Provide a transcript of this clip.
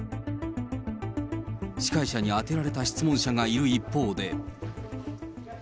司会者に当てられた質問者がいる一方で。